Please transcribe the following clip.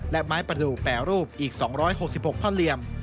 และไม้ประดูกแปรรูปอีก๒๖๖ท่อเหลี่ยม